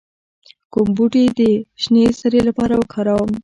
کوم بوټي د شینې سرې لپاره وکاروم؟